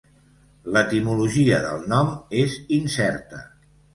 L'etimologia del nom és incerta.